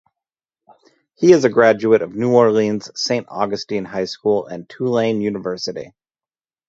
He is a graduate of New Orleans' Saint Augustine High School and Tulane University.